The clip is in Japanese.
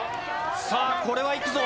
さあこれはいくぞ。